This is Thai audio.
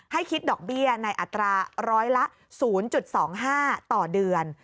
ให้คิดดอกเบี้ยในอัตราร้อยละ๐๒๕ต่อเดือน